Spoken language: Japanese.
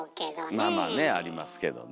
まあまあねありますけどね。